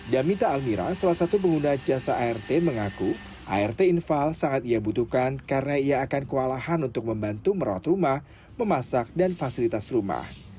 damita almira salah satu pengguna jasa art mengaku art infal sangat ia butuhkan karena ia akan kewalahan untuk membantu merawat rumah memasak dan fasilitas rumah